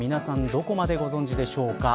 どこまでご存じでしょうか。